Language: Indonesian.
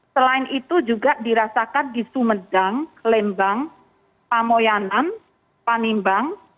selain itu juga dirasakan di sumedang lembang pamoyanan panimbang